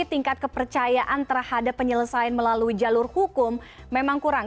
tingkat kepercayaan terhadap penyelesaian melalui jalur hukum memang kurang